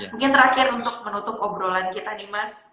mungkin terakhir untuk menutup obrolan kita nih mas